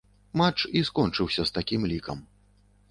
Матч і скончыўся з такім лікам.